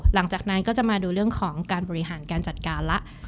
หลังจากนั้นก็จะมาดูเรื่องของการบริหารการจัดการแล้ว